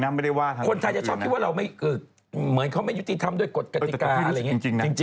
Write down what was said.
คนไทยจะชอบคิดเขาไม่ยุติธรรมด้วยกฏกติกา